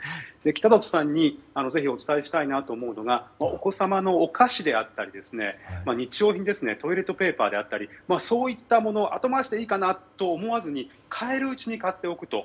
北里さんにぜひお伝えしたいなと思うのがお子様のお菓子や日用品トイレットペーパーであったりそういったもの後回しでいいかなと思わずに買えるうちに買っておくと。